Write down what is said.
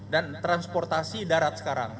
dan transportasi darat sekarang